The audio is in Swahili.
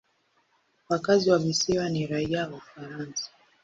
Wakazi wa visiwa ni raia wa Ufaransa.